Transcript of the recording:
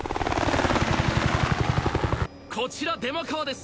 こちら出間川です